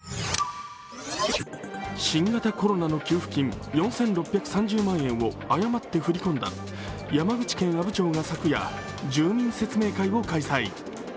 新型コロナの給付金４６３０万円を誤って振り込んだ山口県阿武町が昨夜、住民説明会を開催。